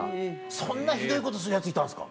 そんなひどいことするヤツいたんですか？